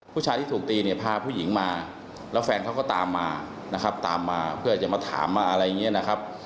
ผู้ชายที่ถูกตีเนี่ยพาผู้หญิงมาแล้วแฟนเขาก็ตามมานะครับตามมาเพื่อจะมาถามมาอะไรอย่างนี้นะครับ